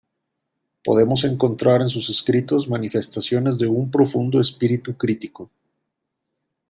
Podemos encontrar en sus escritos manifestaciones de un profundo espíritu crítico.